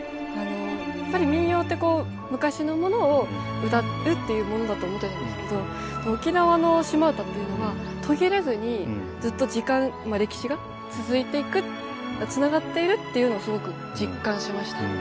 やっぱり民謡ってこう昔のものを歌うっていうものだと思ってたんですけど沖縄の島唄っていうのは途切れずにずっと時間歴史が続いていくつながっているっていうのをすごく実感しました。